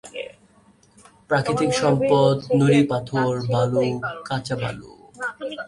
প্রাকৃতিক সম্পদ নুড়িপাথর, বালু, কাঁচবালু।